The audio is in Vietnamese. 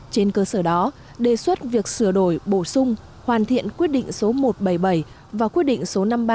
trên cơ sở đó đề xuất việc sửa đổi bổ sung hoàn thiện quyết định số một trăm bảy mươi bảy và quyết định số năm mươi ba